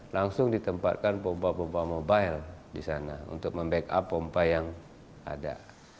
langsung ditempatkan pompa pompa mobile di sana untuk membackup pompa yang ada